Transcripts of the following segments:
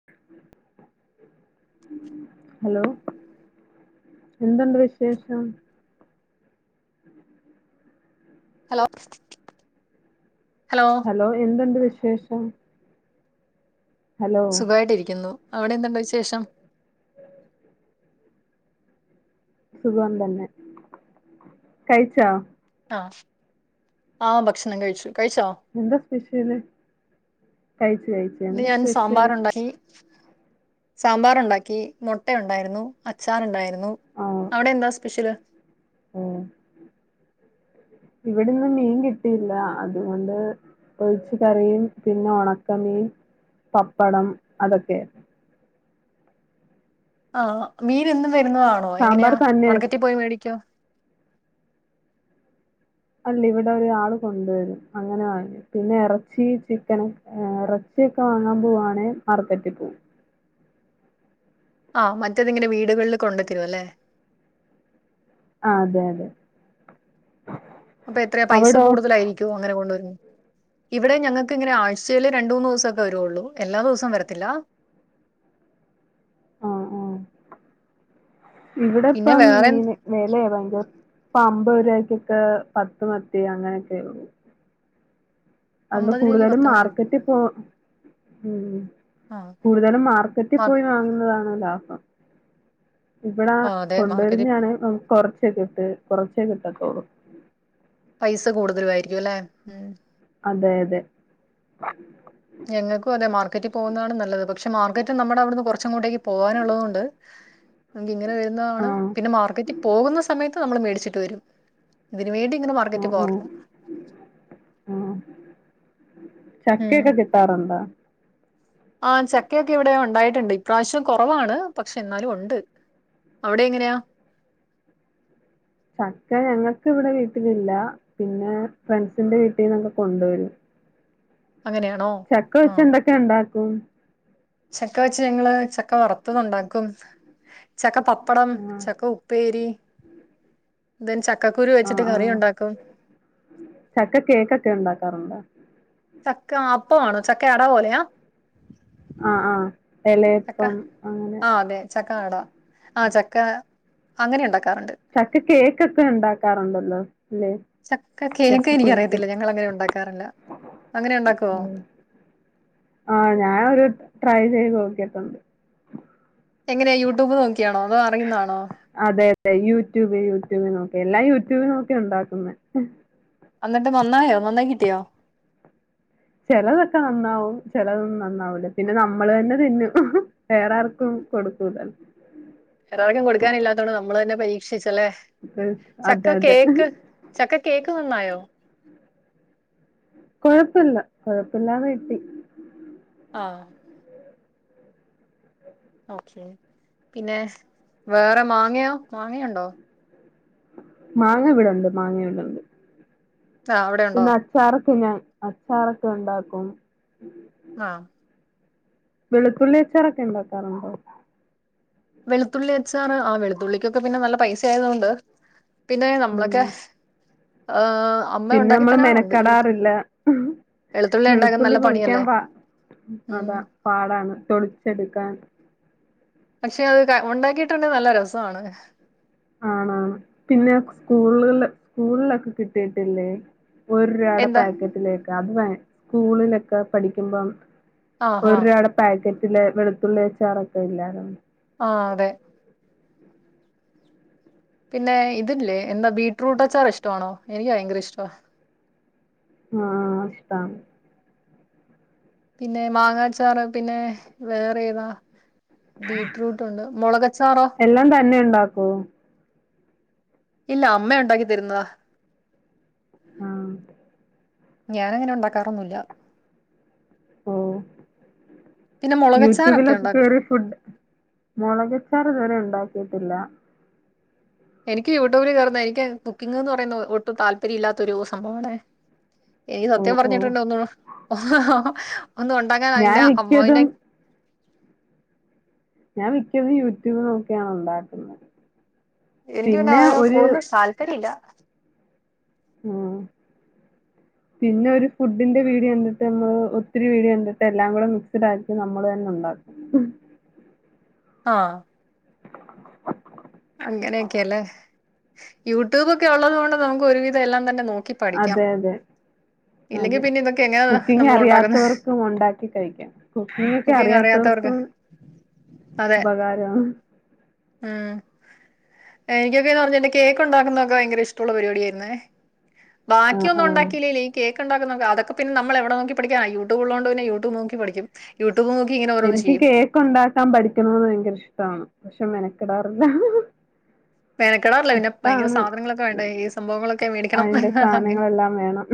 [unintelligible] Hello എന്തുണ്ട് വിശേഷം hello hello hello എന്തുണ്ട് വിശേഷം ഹലോ സുഖമായിട്ടിരിക്കുന്നു അവിടെ എന്തുണ്ട് വിശേഷം സുഖം തന്നെ കഴിച്ചോ ആഹ് ആഹ് ഭക്ഷണം കഴിച്ചു കഴിച്ചോ എന്താ സ്പെഷ്യല് കഴിച്ച് കഴിച്ചു ഇന്ന് എന്താ ഞാൻ സ്പെഷ്യൽ സാമ്പാറുണ്ടാക്കി സാമ്പാറുണ്ടാക്കി മുട്ട ഉണ്ടായിരുന്നു അച്ചാറുണ്ടായിരുന്നു അവിടെ എന്താ സ്പെഷ്യല് ഉം ഇവിടെന്ന് മീൻ കിട്ടിയില്ല അതുകൊണ്ട് ഒഴിച്ച് കറിയും പിന്നെ ഉണക്കമീൻ പപ്പടം അതൊക്കെ ആഹ് മീനെന്നും വരുന്നതാണോ സാമ്പാർ എങ്ങനെയാ തന്നെ വെച്ച് മാർക്കറ്റിൽ പോയി മേടിക്കോ അല്ല ഇവിടെ ഒരാള് കൊണ്ടുവരും അങ്ങനെ വാങ്ങിയെ പിന്നെ ഇറച്ചി ചിക്കന് ഇറച്ചിയൊക്കെ വാങ്ങാൻ പോവാണേ മാർക്കറ്റിൽ പോകും ആഹ് മറ്റേതിങ്ങനെ വീടുകളിൽ കൊണ്ടത്തരും അല്ലേ ആഹ് അതെ അതെ അപ്പൊ എത്രയ പൈസ അവിടോ കൂടുതലായിരിക്കുവോ അങ്ങനെ കൊണ്ടുവരുന്നതിന് ഇവിടെ ഞങ്ങൾക്ക് ഇങ്ങനെ ആഴ്ചയിൽ രണ്ട് മൂന്ന് ദിവസക്കെ വരൂള്ളൂ എല്ലാ ദിവസം വരത്തില്ല പിന്നെ ഇവിടെപ്പം വേറെ മീന് വിലയ ഭയങ്കര ഇപ്പ അമ്പത് രൂപക്കൊക്കെ പത്ത് മത്തി അങ്ങനെയൊക്കെള്ളൂ അതണ്ട് അമ്പത് രൂപയ്ക്ക് കൂടുതലും പത്തെണ്ണം കിട്ടും മാർക്കറ്റിൽ പോ ഉം ആഹ് കൂടുതലും മാർക്കറ്റിൽ പോയി വാങ്ങുന്നതാണ് ലാഭം ഇവിടാ ആഹ് അതെ മാർക്കറ്റിൽ കൊണ്ടുവരുന്നാണെ നമുക്ക് കൊറച്ചേ കിട്ടെ കൊറച്ചേ കിട്ടത്തുള്ളൂ പൈസ കൂടുതലായിരിക്കും അല്ലെ ഉം അതെ അതെ ഞങ്ങൾക്കും അതെ മാർക്കറ്റിൽ പോകുന്നതാണ് നല്ലത് പക്ഷെ മാർക്കറ്റ് നമ്മുടെ അവിടുന്ന് കുറച്ചങ്ങോട്ടേക്ക് പോകാനുള്ളതുകൊണ്ട് നമുക്ക് ഇങ്ങനെ വരുന്നതാണ് ആഹ് പിന്നെ മാർക്കറ്റിൽ പോകുന്ന സമയത്ത് നമ്മൾ മേടിച്ചിട്ട് വരും അതിനു വേണ്ടി ഇങ്ങനെ മാർക്കറ്റിൽ പോവാറില്ല ഉം ഉം. ചക്കക്കെ കിട്ടാറുണ്ടോ ആഹ് ചക്കക്കെ ഇവിടെ ഉണ്ടായിട്ടുണ്ട് ഇപ്രാവശ്യം കുറവാണ് പക്ഷെ എന്നാലും ഉണ്ട് അവിടെ എങ്ങനെയാ ചക്ക ഞങ്ങൾ ക്കിവിടെ വീട്ടിലില്ല പിന്നെ ഫ്രണ്ട്സിന്റെ വീട്ടിന്നൊക്കെ കൊണ്ടുവരും അങ്ങനെയാണോ ചക്ക ആ വെച്ച് എന്തൊക്കെ ഉണ്ടാക്കും ചക്ക വെച്ച് ഞങ്ങള് ചക്ക വറുത്തതുണ്ടാക്കും ചക്ക പപ്പടം ആഹ് ചക്ക ഉ ഉപ്പേരി ഇത ചക്കക്കുരു വെച്ചിട്ട് ആഹ് ആഹ് കറിയുണ്ടാക്കും ചക്ക കേക്കൊക്കെ ഉണ്ടാക്കാറുണ്ടോ ചക്ക അപ്പം ആണോ ചക്ക അട പോലെയ ആഹ് ആഹ് ചക്ക എലയപ്പം അങ്ങനെ ആ അതെ ചക്ക അട ആഹ് ചക്ക അങ്ങനെ ഉണ്ടാക്കാറുണ്ട് ചക്ക കേക്കൊക്കെ ഉണ്ടാക്കാറുണ്ടല്ലോ അല്ലേ ചക്ക കേക്ക് എനിക്കറിയത്തില്ല ഞങ്ങൾ അങ്ങനെ ഉണ്ടാക്കാറില്ല അങ്ങനെ ഉണ്ടാക്കോ ആ ഞാനൊരു ട്രൈ ചെയ്ത് നോക്കിയിട്ടുണ്ട് എങ്ങനെ യൂട്യൂബ് നോക്കിയാണോ അതോ അറിയുന്നാണോ അതെ അതെ യൂട്യൂബ് യൂട്യൂബ് നോക്കി എല്ലാം യൂട്യൂബ് നോക്കി ഉണ്ടാക്കുന്നെ എന്നിട്ട് നന്നായോ നന്നായി കിട്ടിയോ ചെലതൊക്കെ നന്നാവും ചെലതൊന്നും നന്നാവൂല പിന്നെ നമ്മള് തന്നെ തിന്നും വേറാർക്കും കൊടുക്കൂല്ല വേറാർക്കും കൊടുക്കാനില്ലാത്തോണ്ട് നമ്മളന്നെ പരീക്ഷിച്ചല്ലേ അതെ ചക്ക അതെ കേക്ക് ചക്ക കേക്ക് നന്നായോ കുഴപ്പില്ല കൊഴപ്പില്ലാതെ കിട്ടി ആഹ് ഓക്കെ പിന്നെ വേറെ മാങ്ങയോ മാങ്ങയുണ്ടോ മാങ്ങ ഇവിടുണ്ട് മാങ്ങ ഇവിടുണ്ട് ആഹ് അവിടെയുണ്ടോ? പിന്നെ അച്ചാറൊക്കെ ഞാൻ അച്ചാറൊക്കെ ഉണ്ടാക്കും ആഹ് വെളുത്തുള്ളി അച്ചാറൊക്കെ ഇണ്ടാക്കാറുണ്ടോ വെളുത്തുള്ളി അച്ചാർ ആ വെളുത്തുള്ളിക്കൊക്കെ പിന്നെ നല്ല പൈസ ആയതോണ്ട് പിന്നെ ഉം നമ്മളൊക്കെ ആഹ് പിന്നെ നമ്മള് മെനക്കടാറില്ല ഉണ്ടാക്കാൻ വെളുത്തുള്ളി നല്ല പെളിക്കാൻ പണിയല്ലേ. പാ ഉം അതാ പാടാണ് തെളിച്ചെടുക്കാൻ പക്ഷെ അത് ഉണ്ടാക്കിയിട്ടുണ്ടങ്കിൽ നല്ല രസമാണ് ആണ് ആണ് പിന്നെ സ്കൂളിൽ സ്കൂളിലൊക്കെ കിട്ടിയിട്ടില്ലേ ഒരു രൂപയുടെ എന്താ പാക്കറ്റിലേക്ക് അത് വ സ്കൂളിലൊക്കെ പഠിക്കുമ്പം ആഹ് ഒരു ആഹ് രുപയുടെ പാക്കറ്റില് വെളുത്തുള്ളിയച്ചാറൊക്കെ ഇല്ലായിരുന്നേ ആഹ് അതെ പിന്നെ ഇതില്ലേ എന്താ ബീറ്റ്റൂട്ട് അച്ചാർ ഇഷ്ടമാണോ എനിക്ക് ഭയങ്കര ഇഷ്ടവാ ആഹ് അത് ഇഷ്ടാണ് പിന്നെ മാങ്ങാച്ചാർ പിന്നെ വേറെ ഏതാ ബീറ്റ്റൂട്ടുണ്ട് മുളകച്ചാറോ എല്ലാം തന്നെ ഇണ്ടാക്കൂവോ ഇല്ല അമ്മ ഉണ്ടാക്കി തരുന്നതാ ആഹ് ഞാൻ അങ്ങനെ ഉണ്ടാക്കാറൊന്നു ഇല്ല ഓഹ് പിന്നെ മുളകച്ചാറൊക്കെ യൂട്യൂബിലൊക്കെ ഉണ്ടാക്കും. കേറി ഫുഡ് മുളകച്ചാർ ഇതുവരെ ഉണ്ടാക്കിയിട്ടില്ല എനിക്ക് യൂട്യൂബിൽ കയറുന്നത് എനിക്ക് കുക്കിംങ്ങ് എന്ന് പറയുന്ന ഒട്ടും താല്പര്യം ഇല്ലാത്തൊരു സംഭവമാണ് എനിക്ക് ഓ സത്യം ഓ പറഞ്ഞിട്ടുണ്ടെങ്കിൽ ഒന്ന് ഒന്നും ഇണ്ടാക്കാൻ ഞാൻ അറിയില്ല അമ്മ പിന്നെ മിക്കതും ഞാൻ മിക്കതും യൂട്യൂബ് നോക്കിയാണ് ഉണ്ടാക്കുന്നെ എനിക്ക് പിന്നെ അതിനകത്ത് ഒന്നും താല്പര്യമില്ല ഉം പിന്നെ ഒരു ഫുഡിന്റെ വീഡിയോ കണ്ടിട്ട് നമ്മള് ഒത്തിരി വീഡിയോ കണ്ടിട്ട് എല്ലാം കൂടെ മിക്സ്ഡ് ആക്കി നമ്മൾ തന്നെ ഉണ്ടാക്കും ഉം ആഹ് അങ്ങനെയൊക്കെല്ലേ യൂട്യൂബ് ഒക്കെ ഉള്ളത് കൊണ്ട് നമുക്ക് ഒരുവിധം എല്ലാം തന്നെ നോക്കി പഠിക്കാം. അതെ അതെ ഇല്ലെങ്കി അതെ പിന്നെ ഇതൊക്കെ എങ്ങനെ കുക്കിംഗ് നമ്മൾ ഉണ്ടാക്കുന്നെ അറിയാത്തവർക്കും ഉണ്ടാക്കി കഴിക്കാം കുക്കിംഗ് ഒക്കെ അറിയാത്തവർക്കും ഉപകാരാ മ്മ് എനിക്കൊക്കെന്ന് പറഞ്ഞിട്ടുങ്കിൽ കേക്ക്ണ്ടാക്കുന്നതൊക്കെ ഭയങ്കര ഇഷ്ടുള്ള പരിപാടി ആയിരുന്നേ ആ ബാക്കിയൊന്നും ആ ഉണ്ടാക്കിലേല് കേക്ക് ഉണ്ടാകുന്നെ ഒകെ അതൊക്കെ പിന്നെ നമ്മൾ എവിടെ നോക്കി പഠിക്കാനാ യൂട്യൂബ് ഉള്ളതോണ്ട് പിന്നെ യൂട്യൂബ് നോക്കി പഠിക്കും യൂട്യൂബ് നോക്കി ഇങ്ങ എനിക്ക് കേക്കു ഉണ്ടാക്കാൻ പഠിക്കണേ ഭയങ്കര ഇഷ്ടാണ് പക്ഷെ മെനകെടാറില്ല മെനക്കെടാറില്ല പിന്നെ ഭയങ്കര സാധനങ്ങളൊക്കെ വേണ്ട ഈ സംഭവങ്ങളൊക്കെ മേടിക്കണം അതിന്റെ അങ്ങ സാധനങ്ങളെല്ലാം വേണം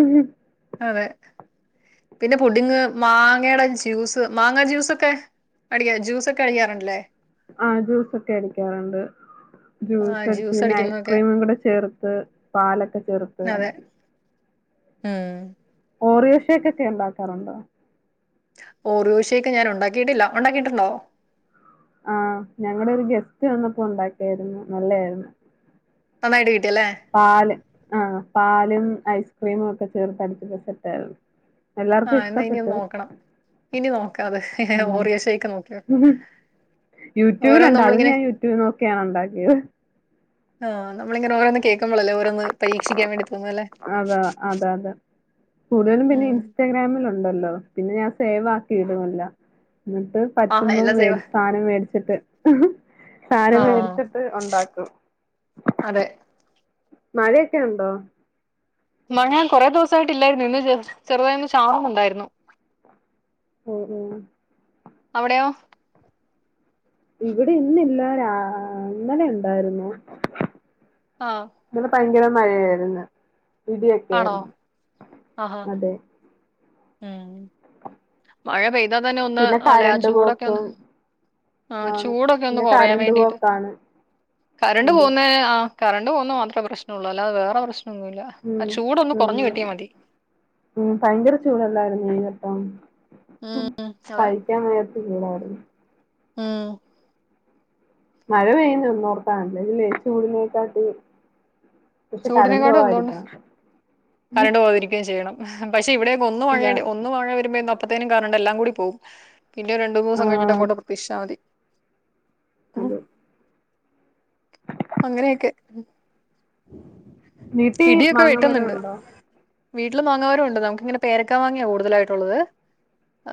അതെ പിന്നെ പുടിങ്ങ് മാങ്ങയുടെ ജ്യൂസ് മാങ്ങ ജ്യൂസൊക്കെ അടിക്കാ ജ്യൂസ ഒക്കെ അടിക്കാറുണ്ട്ല്ലേ ആഹ ജ്യൂസൊക്കെ അടിക്കാറുണ്ട് ആ ജ്യൂസ് അടിച്ചു പിന്നെ അടിക്കുന്നതൊക്കെ ഐസ്ക്രീമും കൂടെ ചേർത്ത് പാലൊക്കെ ചേർത്ത് അതെ അടിക്കും ഉം ഓറിയോ ഷേക്ക് ഒക്കെ ഉണ്ടാക്കാറുണ്ടോ ഒറിയോ ശൈഖ് ഞാൻ ഉണ്ടാക്കിയിട്ടില്ല. ഉണ്ടാക്കിയിട്ടുണ്ടോ ആ ഞങ്ങളടെ ഒരു ഗെസ്റ്റ് വന്നപ്പോ ഉണ്ടാക്കിയായിരുന്നു നല്ലയിരുന്നു. നന്നായിട്ട് കീട്ടിയല്ലേ. പാല ആ പാലും ഐസ്ക്രീമും ഒക്കെ ചേർത്ത് അടിച്ചിപ്പോ സെറ്റ ആയിരുന്നു എല്ലാർക്കും ആഹ് എന്നാ ഇനി ഒന്ന് ഇഷ്ടപ്പെട്ട് നോക്കണം. ഇനി നോക്കാ അത് ഓറിയഷക്ക് നോക്ക യൂട്യൂബിലണ്ട്. അതും ഞാൻ യൂട്യൂബിൽ നോക്കിയാണ് ഉണ്ടാക്കിയത് ആഹ നമ്മളങ്ങെ ഓരോന്ന് കേൾക്കുമ്പോല്ലേ ഓരോന്ന് പരീക്ഷിക്കാൻ വേണ്ടി തോന്നും അല്ലേ? അതെ അതെ അതെ കൂടുതലും പിന്നെ ഉം ഇൻസ്റ്റഗ്രാമിൽ ഉണ്ടല്ലോ പിന്നെ ഞാൻ സേവാ ആക്കിടും എല്ലാം എന്നിട്ട് ആഹ് പറ്റുമ്പം എല്ലാം സേവാ. സാധനം മേടിച്ചിട്ട് സാധനം ആഹ് മേടിച്ചിട്ട് ഉണ്ടാക്കും. അതെ മഴയൊക്കെ ഉണ്ടോ മഴയാ കുറേ ദിവ സയിട്ടല്ലായിരുന്നു. ഇന്ന് ചെറുതായിന്ന് ചാറുന്നു ഉണ്ടായിരുന്നു. മ് മ് അവിടെയോ ഇവിടെ ഇന്നില്ല രാ ഇന്നലെ ഇണ്ടായിരുന്നു. ആഹ ഇന്നലെ ഭയങ്കര മഴയായിരുന്നു ആണോ? ഇടിയൊക്കൊയിരുന്നു. ആഹാ അതെ. ഉം മഴ പെയ്താ തന്നെ ഒന്ന് പിന്നെ അല്ല ആ കരണ്ട് ചൂടൊക്കെ ഒന്ന് പോക്കും ആ ആണ് ചൂടൊക്കെ ഒന്ന് പിന്നെ കൊറയാൻ കരണ്ട് വേണ്ടിട്ട. പോക്കാണ് കരണ്ട് അതെ പോകുന്നേ ആ. കറണ്ട് പോന്ന മാത്രേ പ്രശ്നം ഉള്ളൂ. അല്ലാ വേറെ പ്രശ്നൊന്നുമല്ല. ആ ഉം ചൂടൊന്ന് കുറഞ്ഞു കിട്ടിയാ മതി. ഉ ഭയങ്കര ചൂടല്ലായിരുന്നു ഈ വട്ടം ഉം. അതെ ഞാൻ വിയർത്തു [unintelligible] ഉം. മഴ പെയ്യുന്ന ഒന്നോർത്താണല്ല ഇല്ലേ ചൂടിനേക്കാട്ടി ചൂടിനേക്കാട്ടി ഒന്നുടെ കരണ്ട് പോതിരിക്കുകയും ചെയ്യണം. പക്ഷെ ഇവിടെയൊക്ക ഒന്ന് വ അതാ മഴണ്ട ഒന്ന് മഴവരുമ്പത്തേന്ന് അപ്പത്തേനും കരണ്ട് എല്ലാം കൂടി പോകും പിന്നെ രണ്ടു മൂന്ന് ആ ദിവസം കഴിഞ്ഞിട്ട് അങ്ങോട്ട് പ്രതീക്ഷാ മതി. അതെ അങ്ങനെയൊക്കെ. വീട്ടിൽ ഇടിയൊക്കെ മാങ്ങമരം വെട്ടുന്നുണ്ട്. ഉണ്ടോ വീട്ടിൽ മാങ്ങാമരവും ഉണ്ട് നമുക്ക്ങ്ങന പേരക്കാ മാങ്ങയാ കൂടുതലായിട്ടുള്ളത്.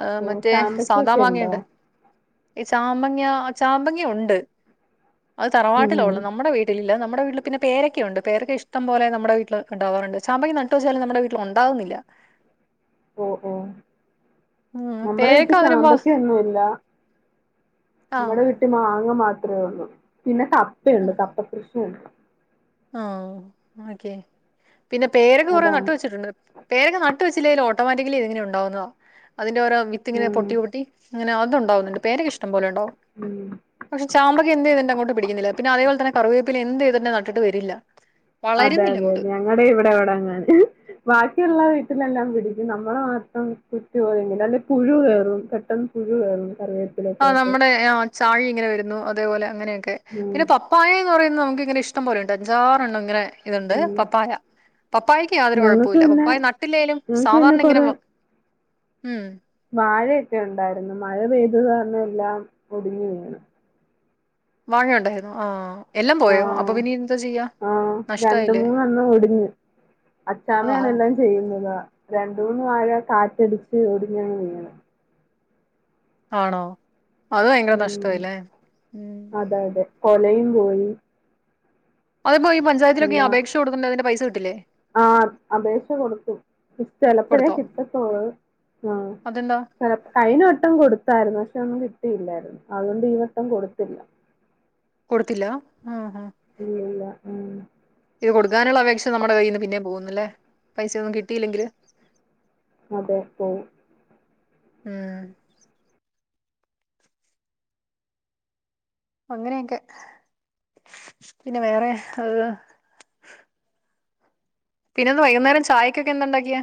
ആഹ് ഓ മറ്റേ സാദാ ചാമ്പക്കൊക്കെ ഉണ്ടോ മാങ്ങയണ്ട് ഈ ചാമ്പങ്ങ ചാമ്പങ്ങ ഉണ്ട്. അത് ഉം തറവാട്ടിലോള്ള. നമ്മുടെ വീട്ടിലില്ല. നമ്മുടെ വീട്ടില്ന്ന പേരക്കണ്ട്. പേരക്കെ ഇഷ്ടം പോലെ നമ്മ വീട്ടിൽ ഉണ്ടാവറണ്ട്. ചാമ്പ [unintelligible] നമ്മുടെ വീട്ടിൽ ഉണ്ടാവുന്നില്ല ഓഹ് ഓഹ് ഉം നമ്മുടെ പേരക്ക വീട്ടിൽ അതിനുമ്പോ ചാമ്പക്കൊന്നുംല്ല. ആ നമ്മടെ വീട്ടിൽ. മാങ്ങ മാത്രമേ ഒള്ളു. പിന്നെ കപ്പയുണ്ട് കപ്പ കൃഷിയുണ്ട്. ആഹ് ഓക്കെ. പിന്നെ പേരക്കെ കുറെ നട്ട് അതാണ് വെച്ചിട്ടുണ്ട്. പേരക്കനട്ട വെച്ചില്ലേൽ ഓട്ടോമാറ്റിക്കലി ഇങ്ങെ ഉണ്ടാവുന്നതാ അതിന്റെ ഓരോ വിത്തി ഇങ്ങെ ഉം പൊട്ടി പൊട്ടിങ്ങനെ അതുണ്ടാവുന്നുണ്ട്.. പേരക്കഇഷ്ടം പോലെ ഉണ്ടാവു ഉം പക്ഷെ ചാമ്പക എന്ത് ചെയ്തി അങ്ങോട്ട് പിടിക്കുന്നില്ല. പിന്നെ അതപോലെ തന്നെ കറിവേപ്പിൽ എന്ത് തിട്ട് നട്ടിട്ട് വരില്ല. അത വളരുന്നില്ല അതെ അതെ അങ്ങോട്ട് ഞങ്ങളടെ ഇവിടെ എവിടെങ്ങന ബാക്കിയുള്ള വീട്ടിലെല്ലാം പിടിക്കും' നമ്മളെ മാത്രം കുറ്റ പോയെങ്കിൽ അല്ല പുഴു കയറും പെട്ടെന്ന് പുഴു കേറും. കറിവേപ്പില്. ആഹ് നമ്മുടെ ആ ചാഴ ഇങ്ങനെ വരുന്നു. അതേപോലെ അങ്ങനെയൊക്കെ ഉം പിന്നെ [unintelligible] പായ എന്ന് പറയുന്നത് നമുക്ക് ഇങ്ങന ഇഷ്ടംപലെയണ്ട്ഞ്ചാറെണ്ണംങ്ങനെ ഇതുണ്ട് ഉം പപ്പായ പപ്പായക്ക് യാതൊരു ഞങ്ങക്ക് കുഴപ്പമില്ല പിന്നെ പപ്പായ നട്ടില്ലെലും ഞങ്ങക്ക് പിന്നെ സാധാരണ ഇങ്ങനെ കൊറെ ഉം വാഴയൊക്കെ ഉണ്ടായിരുന്നു മഴ പെയ്തതാരണം എല്ലാം ഒടിഞ്ഞ് വീണു വാഴ ഉണ്ടായിരുന്നു ആഹ് എല്ലാം പോയോ ആഹ് അപവിനിയന്ത ചെയ്യാ ആഹ് നഷ്ടമായി രണ്ട് മൂന്നാണം ഓടിഞ്ഞു ആഹാ അച്ചാമയണല്ലാം ചെയ്യുന്നത് രണ്ട മൂന്ന് വാഴ കാറ്റടിച്ച് ഓടിഞ്ഞാണ് വീണു ആണോ അത് ഭയങ്കര ഉം നഷ്ടയിലെ ഉം അതെ അതെ കൊലയും പോയി അതപ്പോ ഈ പഞ്ചായത്തിലൊക്ക അപേക്ഷ കൊടുക്കണ്ടണ്ട് അന്റെ പൈസ കിട്ടില്ലേ ആഹ് അപേക്ഷ കൊടുത്തും ചിലപ്പോഴേ കൊടുത്തോ കിട്ടതൊള്ളു അതെന്താ ആഹ് കഴിഞ്ഞ വട്ടം കൊടുത്തായിരുന്നു പക്ഷെ ഒന്നും കിട്ടിയില്ലായിരുന്നു അതുകൊണ്ട് ഈ വട്ടം കൊടുത്തില്ല കൊടുത്തില്ല ആഹ് ആഹ് ഇല്ലല്ല ആഹ് ഇത് കൊടുക്കാനുള്ള അപേക്ഷ നമ്മുടെ കയ്യിൽ നിന്ന് പിന്നെ പോകുന്നില്ലല്ലേ പൈസ ഒന്നും കിട്ടിയില്ലെങ്കില് അതെ പോകും ഉം അങ്ങനെയൊക്കെ പിന്നെ വേറെ ഏഹ് പിന്നെന്ന് വൈകുന്നേരം ചായക്കെ എന്തണ്ടാക്കിയാ